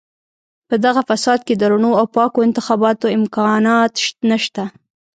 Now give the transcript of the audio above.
په دغه فساد کې د رڼو او پاکو انتخاباتو امکانات نشته.